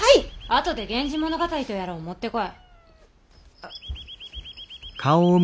後で源氏物語とやらを持ってこい。